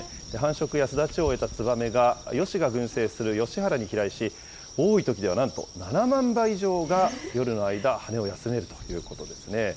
繁殖や巣立ちを終えたツバメがヨシが群生するヨシ原に飛来し、多いときではなんと７万羽以上が夜の間、羽を休めるということですね。